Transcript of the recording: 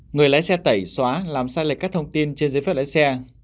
người lái xe tẩy xóa làm sai lệch các thông tin trên giấy phép lái xe